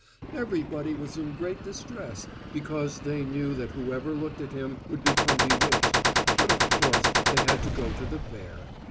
Everybody was in great distress, because they knew that whoever looked at him would become bewitched, but, of course, they had to go to the fair.